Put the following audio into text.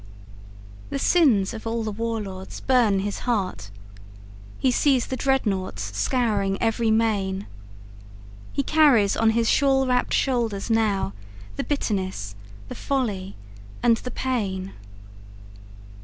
The sins of all the war lords burn his heart. He sees the dreadnaughts scouring every main. He carries on his shawl wrapped shoulders nowThe bitterness, the folly and the pain.